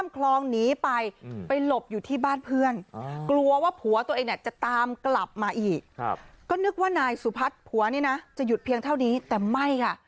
ก็นึกว่านายสุพัฒน์ผัวนี่นะจะหยุดเพียงเท่านี้แต่ไม่ค่ะ